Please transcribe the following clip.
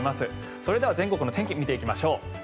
それでは全国の天気を見ていきましょう。